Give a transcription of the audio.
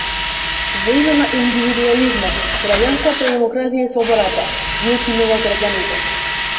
Во име на индивидуализмот, граѓанската демократија и слободата - ги укинува граѓаните.